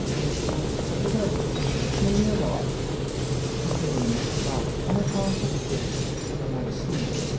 先ほどご説明している一宮川、見てみますとこの観測点の水位です。